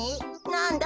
なんだ？